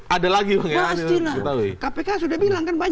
ada lagi pasti